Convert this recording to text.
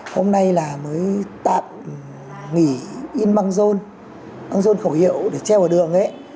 hôm nay là mới tạm nghỉ in băng rôn băng rôn khẩu hiệu để treo ở đường ấy